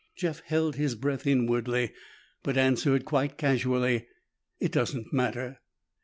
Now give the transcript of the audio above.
Jeff held his breath inwardly, but answered quite casually, "It doesn't matter."